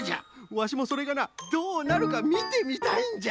ワシもそれがなどうなるかみてみたいんじゃ。